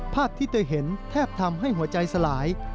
ภาพที่เธอเห็นแทบทำให้หัวใจสลาย